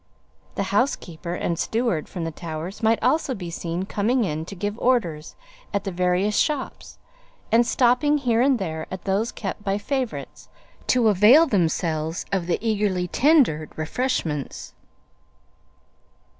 The housekeeper and steward from the Towers might also be seen coming in to give orders at the various shops; and stopping here and there at those kept by favourites, to avail themselves of the eagerly tendered refreshments.